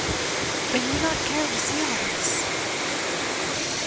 But you would not care to see all this?"